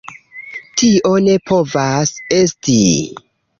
Tio ne povas esti!